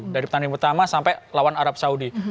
dari pertandingan pertama sampai lawan arab saudi